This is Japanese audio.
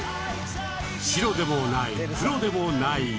白でもない黒でもないＧＬＡＹ